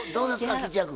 吉弥君。